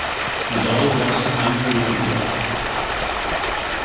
Nadal lost to Andrey Rublev.